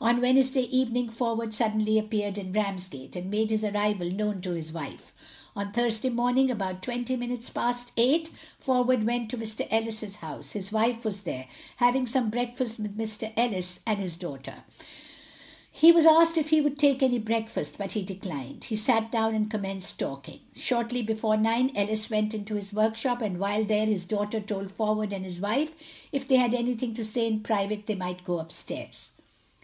On Wednesday evening Forward suddenly appeared in Ramsgate, and made his arrival known to his wife. On Thursday morning, about twenty minutes past eight, Forward went to Mr Ellis's house. His wife was there, having some breakfast with Mr Ellis and his daughter. He was asked if he would take any breakfast, but he declined. He sat down and commenced talking. Shortly before nine Ellis went into his workshop, and while there his daughter told Forward and his wife if they had anything to say in private they might go up stairs.